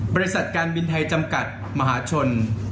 บริษัทการบินไทยจำกัดมหาชน